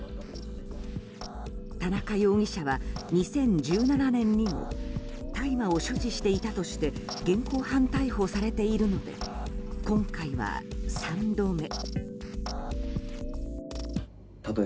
田中容疑者は２０１７年にも大麻を所持していたとして現行犯逮捕されているので今回は３度目。